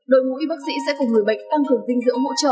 đội ngũ y bác sĩ sẽ cùng người bệnh tăng cường dinh dưỡng hỗ trợ